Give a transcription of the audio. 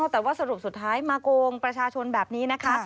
แต่ว่าสรุปสุดท้ายมาโกงประชาชนแบบนี้นะคะ